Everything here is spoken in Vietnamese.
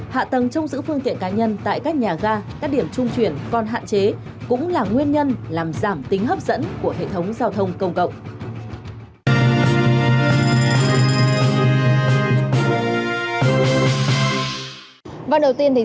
hạ tầng trong giữ phương tiện cá nhân tại các nhà ga các điểm trung chuyển còn hạn chế cũng là nguyên nhân làm giảm tiền